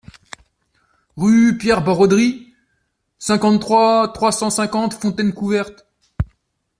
Rue Pierre Barauderie, cinquante-trois, trois cent cinquante Fontaine-Couverte